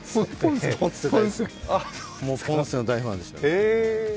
もうポンセの大ファンでした。